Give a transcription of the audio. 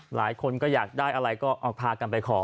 หลายคนก็อยากได้อะไรก็พากันไปขอ